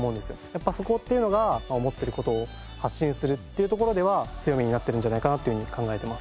やっぱそこっていうのが思っている事を発信するっていうところでは強みになってるんじゃないかなというふうに考えてます。